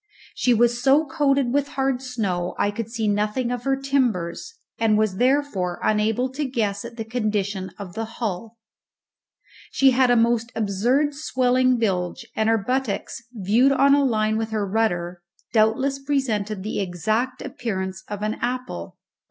She was so coated with hard snow I could see nothing of her timbers, and was therefore unable to guess at the condition of the hull. She had a most absurd swelling bilge, and her buttocks, viewed on a line with her rudder, doubtless presented the exact appearance of an apple.